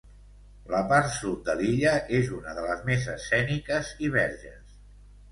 La part sud de l'illa és una de les més escèniques i verges.